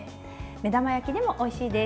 目玉焼きでもおいしいです。